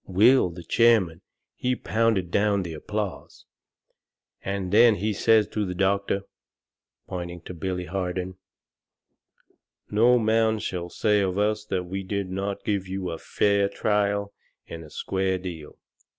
Will, the chairman, he pounded down the applause, and then he says to the doctor, pointing to Billy Harden: "No man shall say of us that we did not give you a fair trial and a square deal.